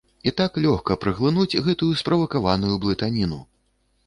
І так лёгка праглынуць гэтую справакаваную блытаніну!